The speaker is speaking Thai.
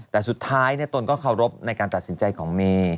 แต่สุดท้ายตนก็เคารพในการตัดสินใจของเมย์